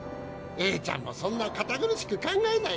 エーちゃんもそんなかた苦しく考えないでさ。